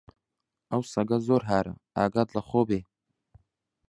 ئەو سەگە زۆر هارە، ئاگات لە خۆ بێ!